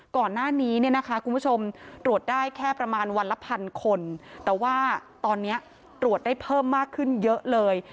ก่อนหน้านี้เนี่ยนะคะคุณผู้ชมตรวจได้แค่ประมาณวันละพันคนแต่ว่าตอนนี้ตรวจได้เพิ่มมากขึ้นเยอะเลย